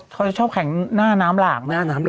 ใช่ค่อยชอบแข็งหน้าน้ำหลาก